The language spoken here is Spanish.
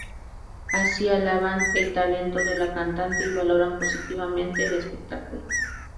Así, alaban el talento de la cantante y valoran positivamente el espectáculo.